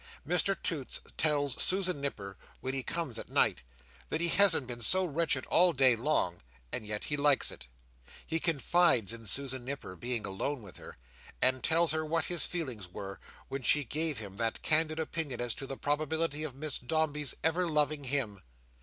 Mr Toots tells Susan Nipper when he comes at night, that he hasn't been so wretched all day long, and yet he likes it. He confides in Susan Nipper, being alone with her, and tells her what his feelings were when she gave him that candid opinion as to the probability of Miss Dombey's ever loving him.